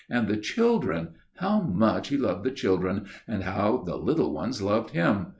And the children! how much he loved the children, and how the little ones loved him!